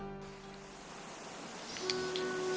jangan nyalain orang